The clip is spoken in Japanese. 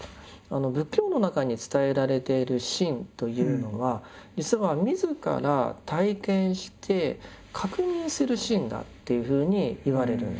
仏教の中に伝えられている「信」というのは実は自ら体験して確認する信だっていうふうにいわれるんです。